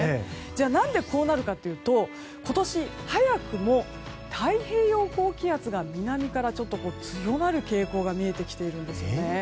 じゃあ何でこうなるかというと今年、早くも太平洋高気圧が南から強まる傾向が見えてきているんですよね。